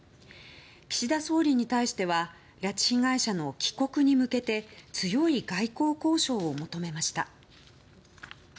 岸田総理に対しては拉致被害者の帰国に向けて強い外交交渉を求めました。